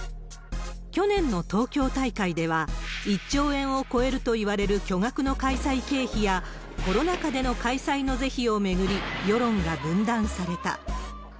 去年の東京大会では、１兆円を超えるといわれる巨額の開催経費や、コロナ禍での開催の是非を巡り、世論が分断された。